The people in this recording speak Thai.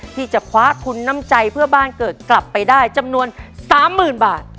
ที่จะคว้าทุนน้ำใจเพื่อบ้านเกิดกลับไปได้จำนวน๓๐๐๐บาท